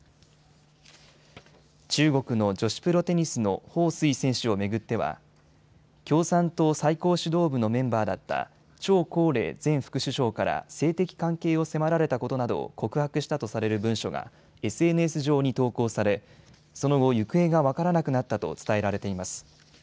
中国の女子プロテニスの彭帥選手を巡っては共産党最高指導部のメンバーだった張高麗前副首相から性的関係を迫られたことなどを告白したとされる文書がＳＮＳ上に投稿されその後、行方が分からなくなったと伝えられています。